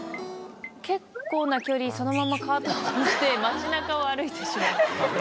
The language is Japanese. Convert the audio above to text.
結構な距離そのままカートを押して街中を歩いてしまって。